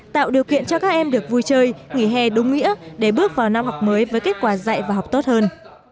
tạo điều kiện cho các em được vui chơi nghỉ hè đúng nghĩa để bước vào năm học mới với kết quả dạy và học tốt hơn